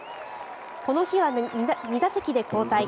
この日は２打席で交代。